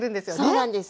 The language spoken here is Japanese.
そうなんです。